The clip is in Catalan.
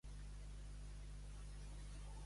L'oli de Sant Joan, tira i cura.